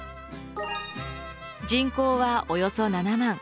人口はおよそ７万。